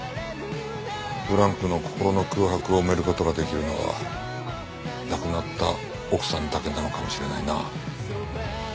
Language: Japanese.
ブランクの心の空白を埋める事ができるのは亡くなった奥さんだけなのかもしれないな。